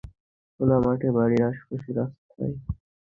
খোলা মাঠে, বাড়ির আশপাশে, রাস্তায় ছড়িয়ে-ছিটিয়ে মাছ পড়ে থাকতে দেখেন তাঁরা।